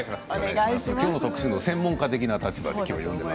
今日の特集の専門家的な立場で。